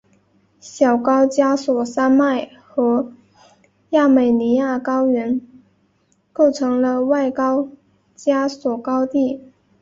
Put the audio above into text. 小高加索山脉和亚美尼亚高原构成了外高加索高地。